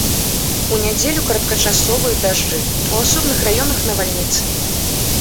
У нядзелю кароткачасовыя дажджы у асобных раёнах навальніцы.